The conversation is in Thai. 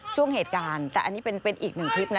ช่วงเหตุการณ์แต่อันนี้เป็นอีกหนึ่งคลิปนะ